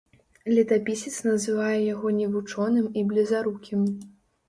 Летапісец называе яго невучоным і блізарукім.